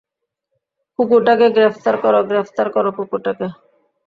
কুকুরটাকে গ্রেফতার করো গ্রেফতার করো কুকুরটাকে!